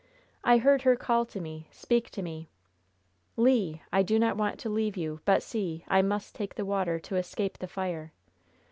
I heard her call to me, speak to me: "'Le, I do not want to leave you, but see! I must take the water to escape the fire!'